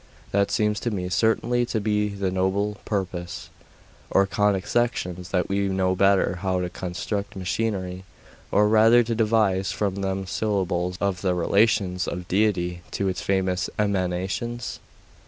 'That seems to me certainly to be the nobler purpose.' 'Or conic sections, that we may know better how to construct machinery; or rather to devise from them symbols of the relations of Deity to its various emanations?